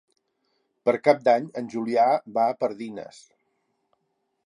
Per Cap d'Any en Julià va a Pardines.